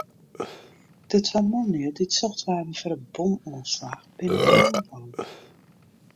De twa manlju dy't socht waarden foar de bomoanslach, binne oanholden.